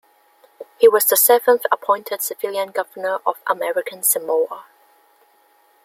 He was the seventh appointed civilian Governor of American Samoa.